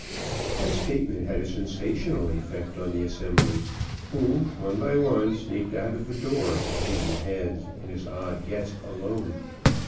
My statement had a sensational effect on the assembly, who, one by one, sneaked out of the door, leaving Hez and his odd guest alone.